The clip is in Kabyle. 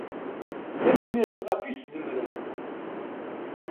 Tanemmirt ɣef isdemren.